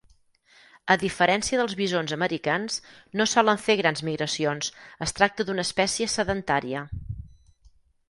A diferència dels bisons americans, no solen fer grans migracions, es tracta d'una espècie sedentària.